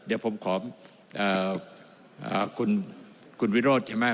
เดี๋ยวผมขอคุณวิโรธใช่ไหม